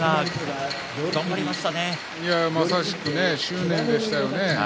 まさしく執念でしたよね。